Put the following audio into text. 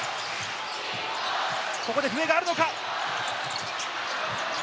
ここで笛があるのか？